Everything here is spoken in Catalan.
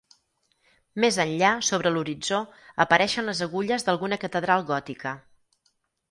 Més enllà, sobre l'horitzó, apareixen les agulles d'alguna catedral gòtica.